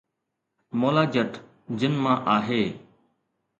’مولا جٽ‘ جن مان آهي